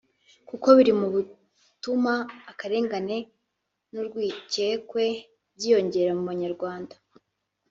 kuko biri mu bituma akarengane n’urwikekwe byiyongera m’ubanyarwanda